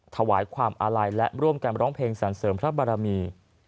ถวายความอาลัยและร่วมกันร้องเพลงสรรเสริมพระบารมี